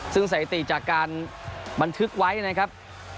ซึ่งสถิติจากการบันทึกไว้นะครับ